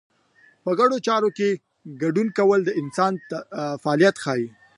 په ګډو چارو کې ګډون کول د انسان فعالیت ښيي.